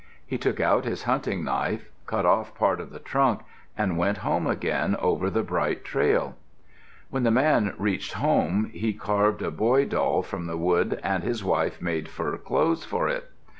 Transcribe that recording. He took out his hunting knife, cut off part of the trunk, and went home again over the bright trail. When the man reached home, he carved a boy doll from the wood and his wife made fur clothes for it.